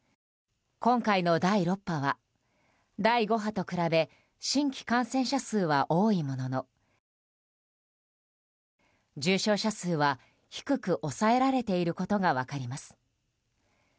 今回の第６波は第５波と比べ新規感染者数は多いものの、重症者数は低く抑えられていることが分かります。